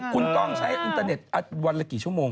คุณกล้องใช้อินเตอร์เน็ตวันละกี่ชั่วโมง